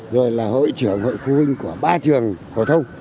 rồi là hội trưởng hội khu huynh của ba trường hội thông